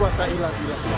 aku tak bisaetsakan